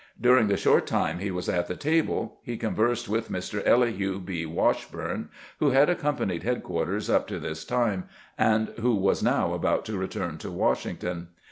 During the short time he was at the table he conversed with Mr. Elihu B. Washburne, who had accompanied headquarters up to this time, and who was now about to return to Washington.